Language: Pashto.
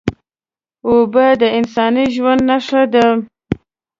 اوبه د انساني ژوند نښه ده